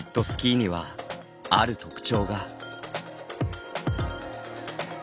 スキーにはある特徴が。